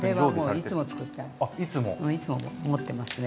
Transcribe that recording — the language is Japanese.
いつも持ってますね。